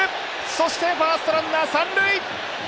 そしてファーストランナー、三塁。